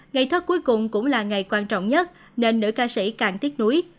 ngày thất cuối cùng cũng là ngày quan trọng nhất nên nữ ca sĩ càng tiếc nuối